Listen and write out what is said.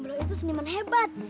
mang jomblo itu seniman hebat